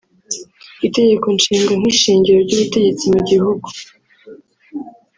Itegekonshinga nk’ishingiro ry’ubutegetsi mu gihugu